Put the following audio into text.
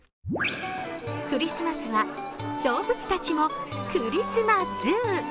クリスマスは動物たちもクリスマＺＯＯ。